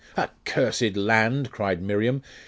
'Accursed land!' cried Miriam.